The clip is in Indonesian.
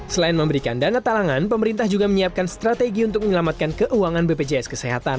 selain memberikan dana talangan pemerintah juga menyiapkan strategi untuk menyelamatkan keuangan bpjs kesehatan